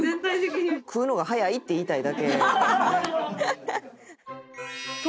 食うのが早いって言いたいだけよね。